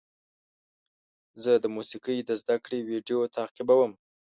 زه د موسیقۍ د زده کړې ویډیو تعقیبوم.